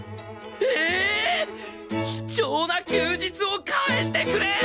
貴重な休日を返してくれー！！